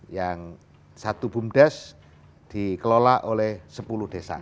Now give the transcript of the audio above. yang satu bumdes dikelola oleh sepuluh desa